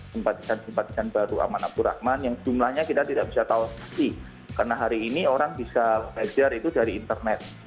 simpatisan simpatisan baru aman abdurrahman yang jumlahnya kita tidak bisa tahu pasti karena hari ini orang bisa belajar itu dari internet